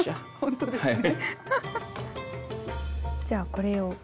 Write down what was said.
じゃあこれを。